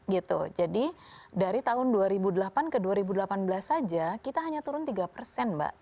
gitu jadi dari tahun dua ribu delapan ke dua ribu delapan belas saja kita hanya turun tiga persen mbak